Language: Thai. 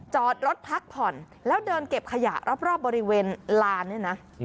จอดรถพักผ่อนแล้วเดินเก็บขยะรอบบริเวณลานเนี่ยนะ